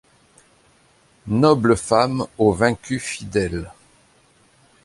Noble femme aux vaincus fidèle